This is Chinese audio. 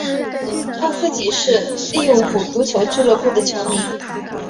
他自己是利物浦足球俱乐部的球迷。